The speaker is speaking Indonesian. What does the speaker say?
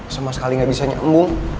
semua sekali gak bisa nyembung